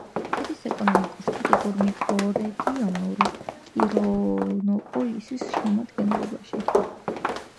შედის ეკონომიკურ-სტატისტიკურ მიკრორეგიონ კირინოპოლისის შემადგენლობაში.